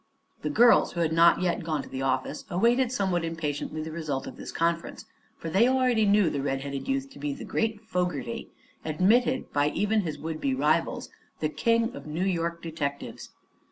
The girls, who had not yet gone to the office, awaited somewhat impatiently the result of this conference, for they already knew the red headed youth to be the great Fogerty admitted by even his would be rivals, the king of New York detectives.